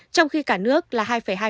trong khi cả nước là hai hai